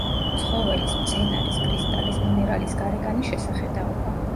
ცხოველის, მცენარის, კრისტალის, მინერალის გარეგანი შესახედაობა.